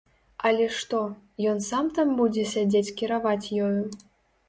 Але што, ён сам там будзе сядзець кіраваць ёю?